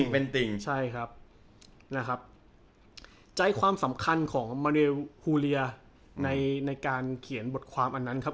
เป็นติ่งใช่ครับนะครับใจความสำคัญของมาริฮูเรียในในการเขียนบทความอันนั้นครับ